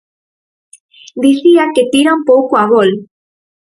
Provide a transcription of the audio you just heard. Dicía que tiran pouco a gol.